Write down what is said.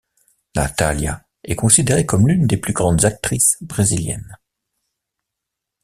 Nathália est considérée comme l'une des grandes actrices brésiliennes.